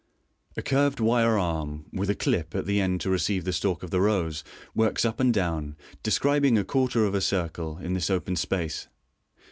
A curved wire arm, with a "clip" at the end to receive the stalk of the rose, works up and down, describing a quarter of a circle, in this open space.